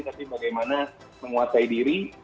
tapi bagaimana menguasai diri